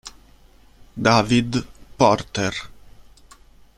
David Porter